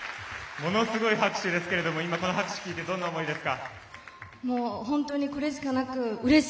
ものすごい拍手ですけれどもこの拍手を聞いてどんな思いですか。